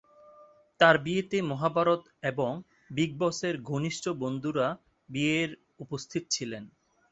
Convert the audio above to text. তার বিয়েতে মহাভারত এবং বিগ বসের ঘনিষ্ঠ বন্ধুরা বিয়ের উপস্থিত ছিলেন।